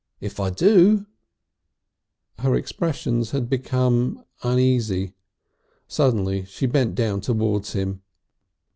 If I do " Her expression had become uneasy. Suddenly she bent down towards him.